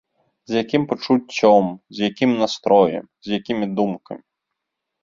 З якім пачуццём, з якім настроем, з якімі думкамі.